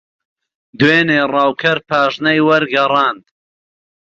دوێنێ ڕاوکەر پاژنەی وەرگەڕاند.